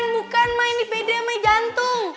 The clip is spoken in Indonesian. bukan ma ini beda sama jantung